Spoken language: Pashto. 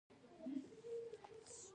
احمده! راځه يوه ګړۍ سترګه پټه کړو.